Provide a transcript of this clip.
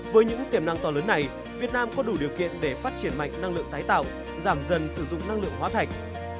với những tiềm năng to lớn này việt nam có đủ điều kiện để phát triển mạnh năng lượng tái tạo giảm dần sử dụng năng lượng hóa thạch